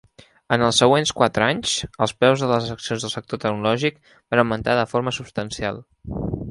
En els següents quatre anys, els preus de les accions del sector tecnològic van augmentar de forma substancial.